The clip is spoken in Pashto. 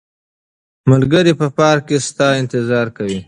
ملګري په پارک کې ستا انتظار کوي.